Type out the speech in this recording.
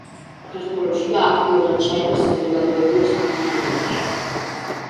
დაბრუნდა საქართველოში და აქტიურად ჩაება საზოგადოებრივ საქმიანობაში.